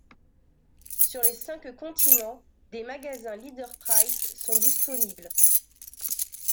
Sur les cinq continents, des magasins Leader Price sont disponibles.